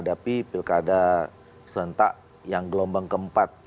kita akan menghadapi pilkada serentak yang gelombang keempat